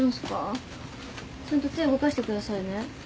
ちゃんと手動かしてくださいね。